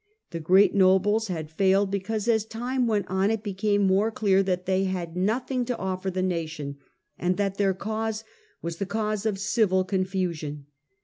The great nobles had failed because as time went on it became more clear that they had nothing to offer the nation, and that their cause was the cause of civil confusion.